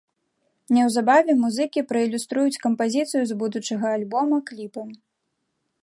Неўзабаве музыкі праілюструюць кампазіцыю з будучага альбома кліпам.